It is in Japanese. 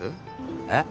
えっ？